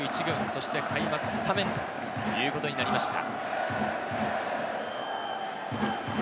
そして開幕スタメンということになりました。